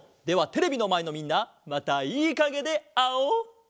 ではテレビのまえのみんなまたいいかげであおう！